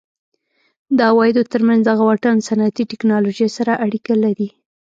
د عوایدو ترمنځ دغه واټن صنعتي ټکنالوژۍ سره اړیکه لري.